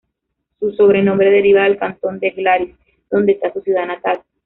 Su sobrenombre deriva del cantón de Glaris, donde está su ciudad natal.